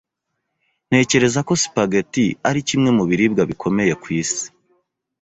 Ntekereza ko spaghetti ari kimwe mu biribwa bikomeye ku isi.